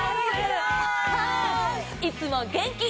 いつも元気！